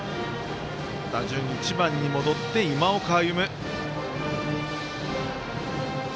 打順１番に戻って今岡歩夢。